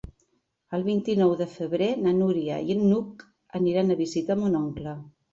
El vint-i-nou de febrer na Núria i n'Hug aniran a visitar mon oncle.